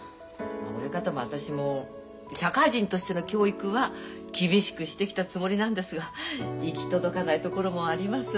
親方も私も社会人としての教育は厳しくしてきたつもりなんですが行き届かないところもあります。